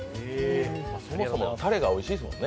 そもそもたれがおいしいですもんね。